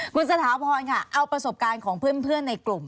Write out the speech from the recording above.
คุณสถาพรค่ะเอาประสบการณ์ของเพื่อนในกลุ่ม